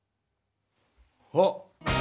あっ！